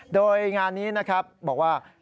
โดยงานนี้นะครับบอกว่า